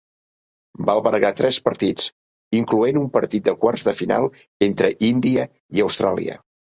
Va albergar tres partits, incloent un partit de quarts de final entre Índia i Austràlia.